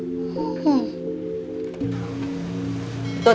apa mams duduk